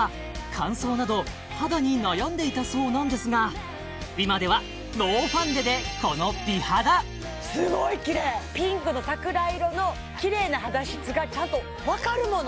乾燥など肌に悩んでいたそうなんですが今ではノーファンデでこの美肌すごいキレイピンクの桜色のキレイな肌質がちゃんとわかるもの